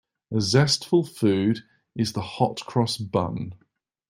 A zestful food is the hot-cross bun.